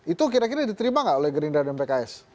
itu kira kira diterima nggak oleh gerindra dan pks